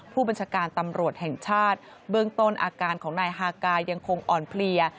ผู้บัญชาการตำรวจแห่งชาติเบื้องต้นอาการของนายฮากายังคงอ่อนเพลีย